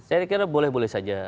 saya kira boleh boleh saja